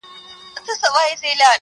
انساني ارزښتونه کمزوري کيږي ډېر